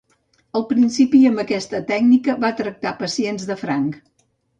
Al principi amb aquesta tècnica va tractar pacients de franc.